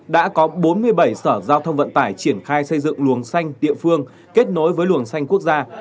đã có bốn mươi bảy sở giao thông vận tải triển khai xây dựng luồng xanh địa phương kết nối với luồng xanh quốc gia